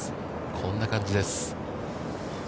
こんな感じです。